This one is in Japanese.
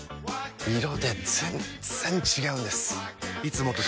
色で全然違うんです！